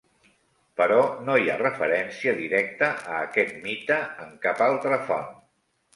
Però no hi ha referència directa a aquest mite en cap altra font.